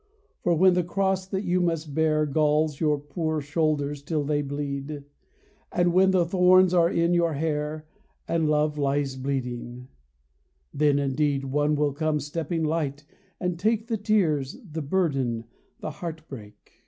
For when the Cross that you must bear Galls your poor shoulders till they bleed, And when the thorns are on your hair, And Love lies bleeding : then indeed One will come stepping light and take The tears, the burden, the heart break.